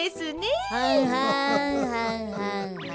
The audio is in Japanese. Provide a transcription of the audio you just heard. はんはんはんはんはんはん。